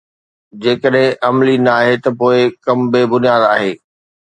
جيڪڏهن عملي ناهي ته پوءِ ڪم بي بنياد آهي